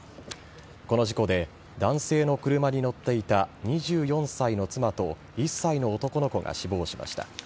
この事故で男性の車に乗っていた２４歳の妻と１歳の男の子が死亡しました。